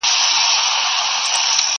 o خوله ئې د سوى، شخوند ئې د اوښ!